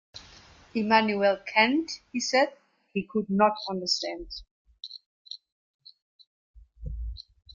Immanuel Kant he said he could not understand.